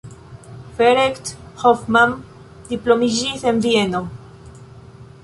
Ferenc Hoffmann diplomiĝis en Vieno.